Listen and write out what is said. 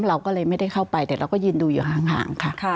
เราก็เลยไม่ได้เข้าไปแต่เราก็ยืนดูอยู่ห่างค่ะ